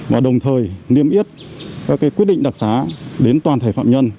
và đồng thời niêm yết các quyết định đặc xá đến toàn thể phạm nhân